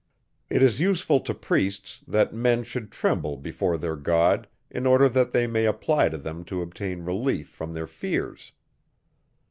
It is useful to priests, that men should tremble before their God, in order that they may apply to them to obtain relief from their fears.